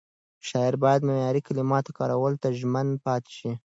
شاعر باید معیاري کلماتو کارولو ته ژمن پاتې شي.